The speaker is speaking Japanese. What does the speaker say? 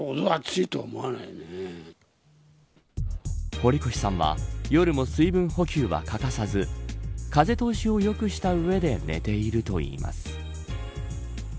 堀越さんは夜も水分補給は欠かさず風通しを良くした上で寝ているといいます。